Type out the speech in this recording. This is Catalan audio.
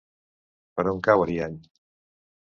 Per on cau Ariany?